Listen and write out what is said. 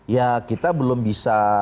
ya kita belum bisa